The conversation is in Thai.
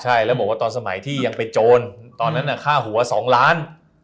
ใช่แล้วบอกว่าตอนสมัยที่ยังเป็นโจรตอนนั้นค่าหัว๒ล้าน